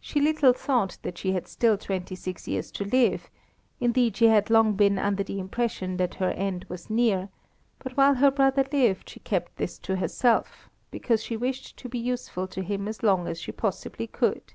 She little thought that she had still twenty six years to live; indeed she had long been under the impression that her end was near, but while her brother lived she kept this to herself, because she wished to be useful to him as long as she possibly could.